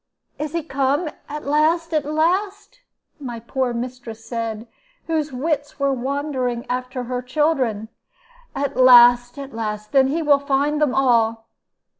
"'Is he come, at last, at last?' my poor mistress said, whose wits were wandering after her children. 'At last, at last! Then he will find them all.'